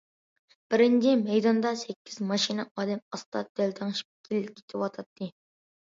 بىرىنچى مەيداندا سەككىز ماشىنا ئادەم ئاستا دەلدەڭشىپ كېتىۋاتاتتى.